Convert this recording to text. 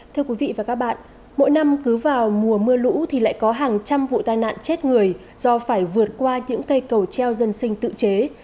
thưa quý vị và các bạn mỗi năm cứ vào mùa mưa lũ thì lại có hàng trăm vụ tai nạn chết người do phải vượt qua những cây cầu treo dân sinh tự chế